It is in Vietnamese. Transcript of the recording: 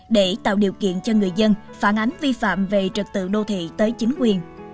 để tạo điều kiện cho người dân phản ánh vi phạm về trật tự đô thị tới chính quyền